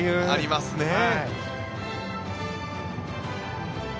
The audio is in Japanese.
ありますね。